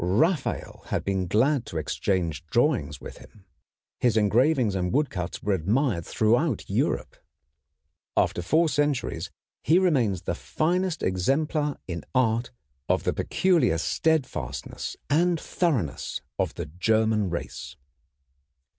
Raphael had been glad to exchange drawings with him. His engravings and woodcuts were admired throughout Europe. After four centuries he remains the finest exemplar in art of the peculiar steadfastness and thoroughness of the German race.